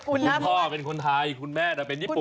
คุณพ่อเป็นคนไทยคุณแม่เป็นญี่ปุ